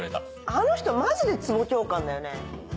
あの人マジでツボ教官だよね。